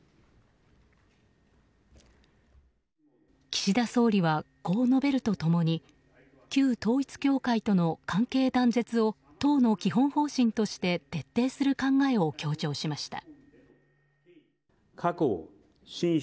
岸田総理はこう述べると共に旧統一教会との関係断絶を党の基本方針として徹底する考えを強調しました。